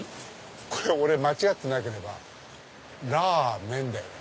これ俺間違ってなければラーメンだよね？